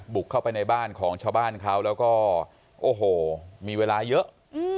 บุกเข้าไปในบ้านของชาวบ้านเขาแล้วก็โอ้โหมีเวลาเยอะ